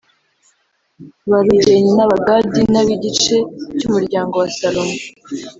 Barubeni n Abagadi n ab igice cy umuryango wa salomo